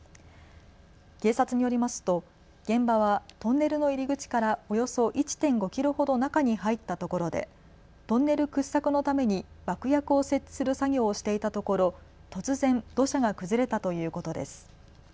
警察によりますと現場はトンネルの入り口からおよそ１．５キロほど中に入ったところでトンネル掘削のために爆薬を設置する作業をしていたところ突然、土砂が崩れたということです。